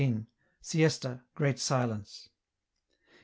Siesta, Great Silence.